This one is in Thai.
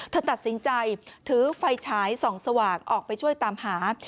เธอตัดสินใจถือไฟฉายส่องสว่างออกไปช่วยตามหา